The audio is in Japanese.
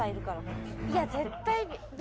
いや絶対Ｂ！